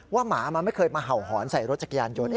หมามันไม่เคยมาเห่าหอนใส่รถจักรยานยนต์